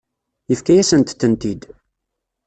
Yefka-yasent-tent-id.